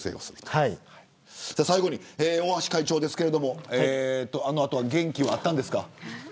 最後に大橋会長ですがあの後は元気はあったんですか。